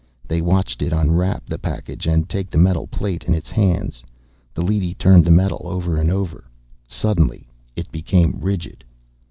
They watched it unwrap the package and take the metal plate in its hands. The leady turned the metal over and over. Suddenly it became rigid.